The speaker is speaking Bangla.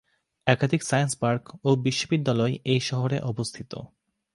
একাধিক সায়েন্স পার্ক ও বিশ্ববিদ্যালয়য় এই শহরে অবস্থিত।